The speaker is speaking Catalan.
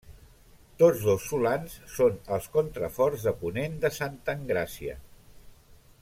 Tots dos solans són els contraforts de ponent de Santa Engràcia.